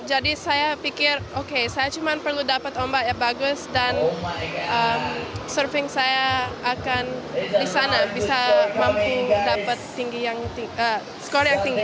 saya pikir oke saya cuma perlu dapat ombak yang bagus dan surfing saya akan di sana bisa mampu dapat skor yang tinggi